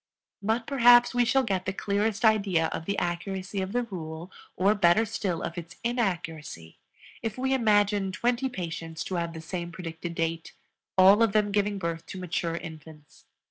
But perhaps we shall get the clearest idea of the accuracy of the rule, or better still of its inaccuracy, if we imagine twenty patients to have the same predicted date, all of them giving birth to mature infants.